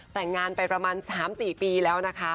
แต่งงานไปประมาณ๓๔ปีแล้วนะคะ